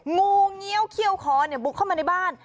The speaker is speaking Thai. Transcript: งูเงี้ยวเขี้ยวคอเนี่ยบุกเข้ามาในบ้าน